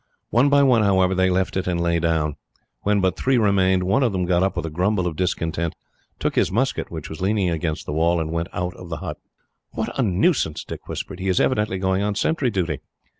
One by one, however, they left it and lay down. When but three remained, one of them got up, with a grumble of discontent, took his musket, which was leaning against the wall, and went out of the hut. "What a nuisance!" Dick whispered. "He is evidently going on sentry duty."